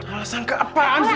alasan ke apaan sih